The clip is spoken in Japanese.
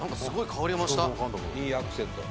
いいアクセント。